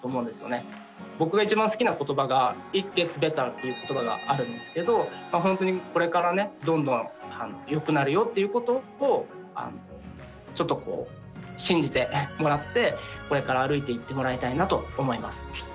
僕が一番好きな言葉がＩｔｇｅｔｓｂｅｔｔｅｒ．っていう言葉があるんですけど本当にこれからねどんどんよくなるよっていうことをちょっとこう信じてもらってこれから歩いていってもらいたいなと思います。